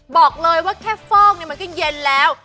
บอกเลยว่าแค่ฟอกมันก็เย็นแล้ว